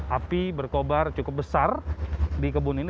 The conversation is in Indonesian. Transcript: api berkobar cukup besar di kebun ini